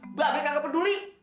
mbak abe kagak peduli